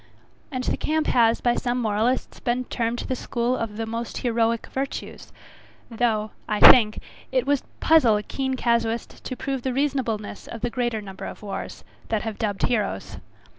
And the camp has by some moralists been termed the school of the most heroic virtues; though, I think, it would puzzle a keen casuist to prove the reasonableness of the greater number of wars, that have dubbed heroes.